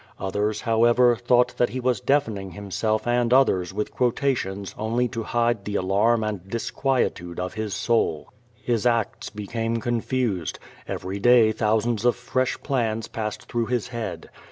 Others, how ever, thought that he was deafening himself and others with quotations only to hide the alarm and disquietude of his soul. His acts became confused. Every day thousands of fresh plans passed through his head.